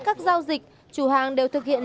các giao dịch chủ hàng đều thực hiện